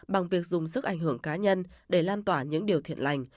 bằng việc dùng sức ảnh hưởng cá nhân để lan tỏa những điều thiện lành